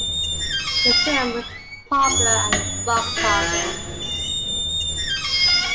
The film was popular at the box office.